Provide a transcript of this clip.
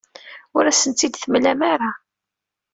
Ur asen-t-id-temlam ara.